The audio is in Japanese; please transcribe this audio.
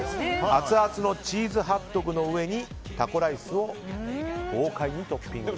アツアツのチーズハットグの上にタコライスを豪快にトッピング。